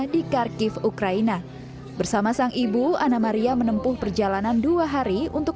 di kharkiv ukraina bersama sang ibu anna maria menempuh perjalanan dua hari untuk